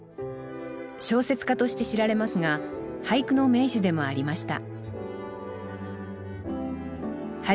小説家として知られますが俳句の名手でもありました